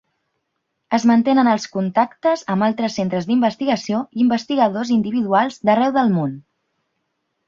Es mantenen els contactes amb altres centres d'investigació i investigadors individuals d'arreu del món.